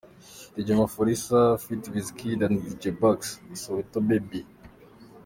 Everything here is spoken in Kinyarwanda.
• Dj Maphorsia ft. Wizkid & Dj Buckz – Soweto Baby